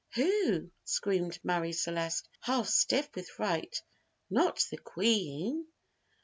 "Who?" screamed Marie Celeste, half stiff with fright; "not the Queen?"